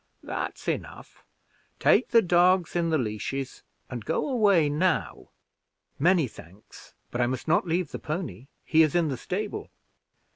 "That's enough. Take the dogs in the leashes, and go away now." "Many thanks; but I must not leave the pony, he is in the stable."